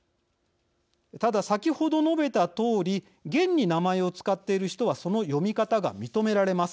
ただ、先ほど述べたとおり現に名前を使っている人はその読み方が認められます。